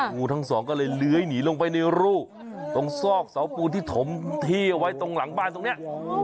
งูทั้งสองก็เลยเลื้อยหนีลงไปในรูตรงซอกเสาปูนที่ถมที่เอาไว้ตรงหลังบ้านตรงนี้